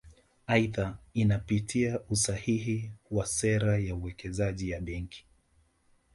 Aidha inapitia usahihi wa sera ya uwekezaji ya Benki